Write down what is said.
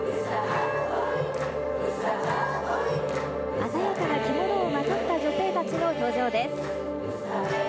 鮮やかな着物をまとった女性たちの登場です。